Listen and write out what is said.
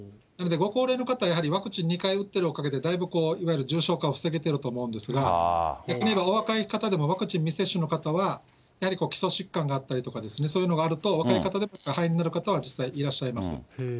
なのでご高齢の方、やはりワクチン２回打ってるおかげで、だいぶいわゆる重症化を防げてると思うんですが、逆に言えば、お若い方でもワクチン未接種の方は、やはり基礎疾患があったりとか、そういうのがあると、若い方でも肺炎になる方は実際いらっしゃいます。